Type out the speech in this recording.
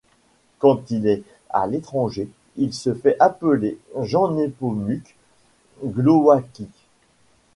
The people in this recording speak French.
Quand il est à l'étranger, il se fait appeler Jean Nepomuk Glowacki.